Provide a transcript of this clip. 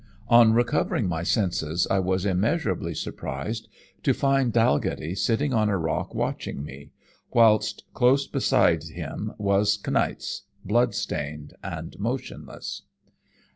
On recovering my senses, I was immeasurably surprised to find Dalghetty sitting on a rock watching me, whilst close beside him was Kniaz, bloodstained and motionless.